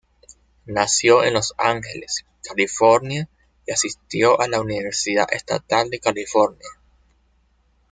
Nació en Los Angeles, California y asistió a la Universidad Estatal de California.